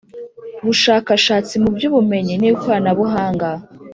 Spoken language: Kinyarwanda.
bushakashatsi mu by ubumenyi n ikoranabuhanga